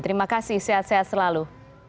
terima kasih sehat sehat selalu